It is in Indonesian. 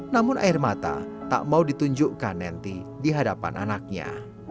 namun air mata tak mau ditunjukkan nenty di hadapan anaknya